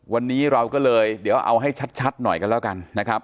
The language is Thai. วันนี้เราก็เลยเดี๋ยวเอาให้ชัดหน่อยกันแล้วกันนะครับ